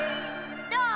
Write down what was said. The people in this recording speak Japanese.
どう？